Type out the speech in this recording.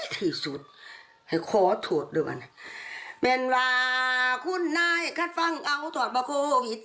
ที่สุดให้ขอโทษด้วยแม่นว่าคุณนายคัดฟังเอาถอดมาโควิด